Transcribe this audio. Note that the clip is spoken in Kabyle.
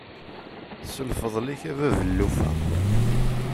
S lfeḍl-ik a bab llufa.